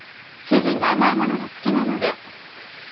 主人が甘いものが好きなので。